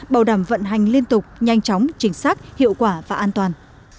bảo đảm vận hành liên tục nhanh chóng chính xác hiệu quả và an toàn